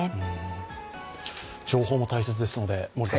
情報も大切ですので。